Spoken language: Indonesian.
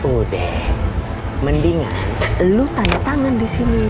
udah mendingan lu tanda tangan di sini